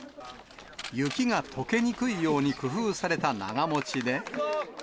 雪がとけにくいように工夫された長持ちで。